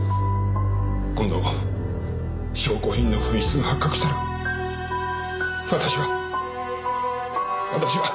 今度証拠品の紛失が発覚したら私は私は。